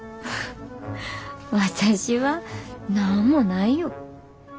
私は何もないよ。